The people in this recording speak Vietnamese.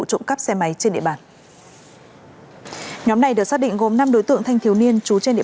trộm cắp xe máy trên địa bàn nhóm này được xác định gồm năm đối tượng thanh thiếu niên trú trên địa